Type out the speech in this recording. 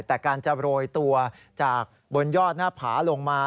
แต่การจะโรยตัวจากบนยอดหน้าผาลงมา